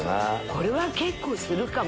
これは結構するかもね。